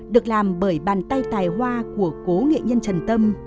được làm bởi bàn tay tài hoa của cố nghệ nhân trần tâm